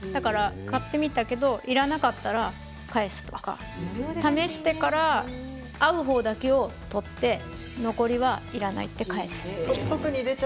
買ってみたけれどもいらなかったら返すとか試してから合う方だけを取って残りはいらないと返すとか。